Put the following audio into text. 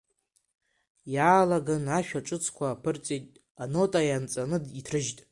Иаалаган, ашәа ҿыцқәа аԥырҵеит, анота ианҵаны иҭрыжьт.